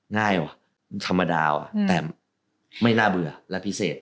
ง่ายว่ะธรรมดาแต่ไม่น่าเบื่อและพิเศษ